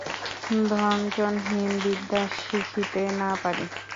ধনজন হীন বিদ্যা শিখিতে না পারি।